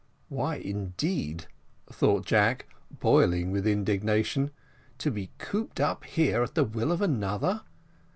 "Why, indeed," thought Jack, boiling with indignation, "to be cooped up here at the will of another?